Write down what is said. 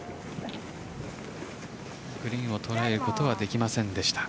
グリーンを捉えることはできませんでした。